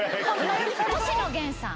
星野源さん。